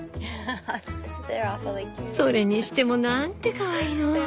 それにしてもなんてかわいいの！